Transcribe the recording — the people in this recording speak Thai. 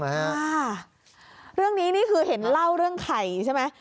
อ่าเรื่องนี้นี่คือเห็นเล่าเรื่องไข่ใช่ไหม